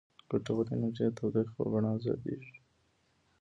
ګټوره انرژي د تودوخې په بڼه ازادیږي.